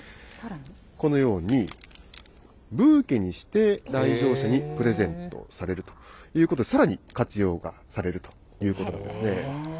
このように、ブーケにして来場者にプレゼントされるということで、さらに活用がされるということなんですね。